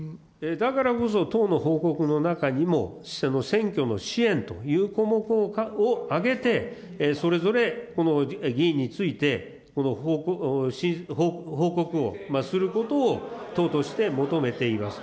だからこそ、党の報告の中にも、選挙の支援という項目をあげて、それぞれこの議員について、報告をすることを党として求めています。